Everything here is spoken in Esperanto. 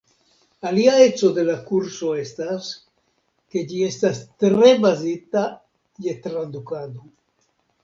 Alia eco de la kurso estas, ke ĝi estas tre bazita je tradukado.